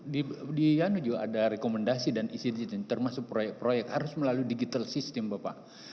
di yanu juga ada rekomendasi dan isi izin termasuk proyek proyek harus melalui digital system bapak